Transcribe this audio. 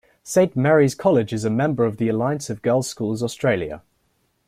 Saint Mary's College is a member of the Alliance of Girls' Schools Australia.